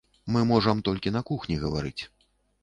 Мы можам толькі на кухні гаварыць.